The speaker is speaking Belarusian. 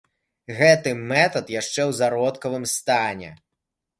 Гэты метад яшчэ ў зародкавым стане.